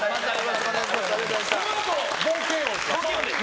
このあと冒険王ですか？